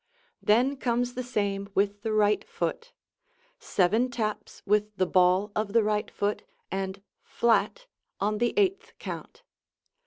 Then comes the same with the right foot seven taps with the ball of the right foot and "flat" on the eighth count.